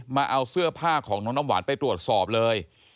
มาเอาเสื้อผ้าของน้องน้ำหวานไปตรวจสอบเลย